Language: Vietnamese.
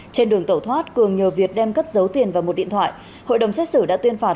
trên đường tẩu thoát cường nhờ việt đem cất dấu tiền và một điện thoại hội đồng xét xử đã tuyên phạt